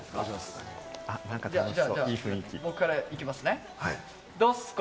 僕から行きます。